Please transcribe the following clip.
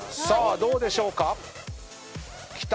さあどうでしょうか？